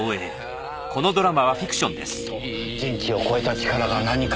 きっと人知を超えた力が何か。